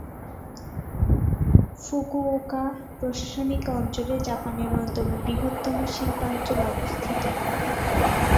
Fukuoka প্রশাসনিক অঞ্চলে জাপানের অন্যতম বৃহত্তম শিল্পাঞ্চল অবস্থিত।